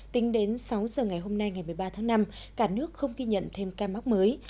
tính đến sáu giờ ngày hôm nay ngày một mươi ba tháng năm cả nước không ghi nhận thêm ca mắc mới